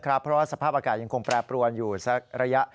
เพราะว่าสภาพอากาศยังคงแปรปรวนอยู่สักระยะ